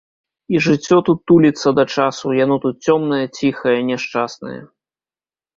І жыццё тут туліцца да часу, яно тут цёмнае, ціхае, няшчаснае.